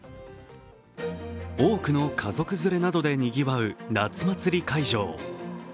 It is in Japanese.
多くの家族連れなどでにぎわう夏祭り会場。